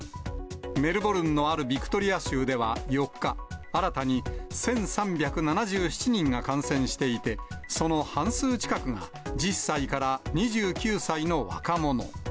メルボルンのあるビクトリア州では４日、新たに１３７７人が感染していて、その半数近くが、１０歳から２９歳の若者。